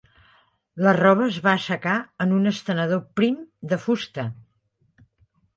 La roba es va assecar en un estenedor prim de fusta.